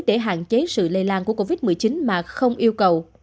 để hạn chế sự lây lan của covid một mươi chín mà không yêu cầu